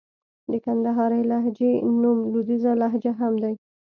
د کندهارۍ لهجې نوم لوېديځه لهجه هم دئ.